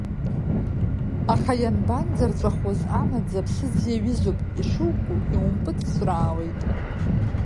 Аха ианбанӡарҵәахуаз, амаӡа аԥсыӡ иаҩызоуп, ишуку иумпыҵҵәраауеит.